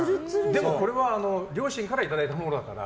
でもこれは両親からいただいたものだから。